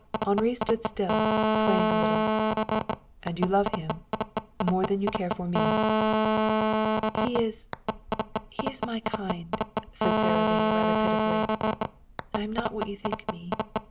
Henri stood still, swaying a little. "And you love him? More than you care for me?" "He is he is my kind," said Sara Lee rather pitifully. "I am not what you think me.